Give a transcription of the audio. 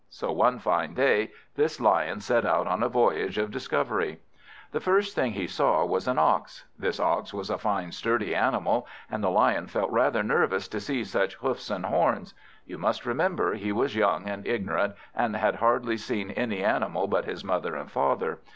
So one fine day, this Lion set out on a voyage of discovery. The first thing he saw was an Ox. This Ox was a fine sturdy animal, and the Lion felt rather nervous to see such hoofs and horns. You must remember he was young and ignorant, and had hardly seen any animal but his mother and father.